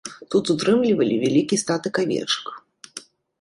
Тут утрымлівалі вялікі статак авечак.